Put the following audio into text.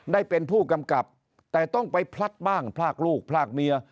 ได้เป็นผู้กำกับแต่ต้องไปพลัดบ้างพลากลูกพลากเมีย